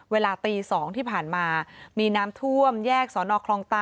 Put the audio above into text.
เวลาตี๒ที่ผ่านมามีน้ำท่วมแยกสอนอคลองตา